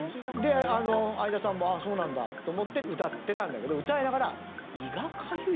で相田さんもああそうなんだと思って歌ってたんだけど歌いながら胃がかゆい？